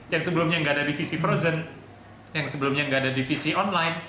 yang sebelumnya nggak ada divisi frozen yang sebelumnya nggak ada divisi online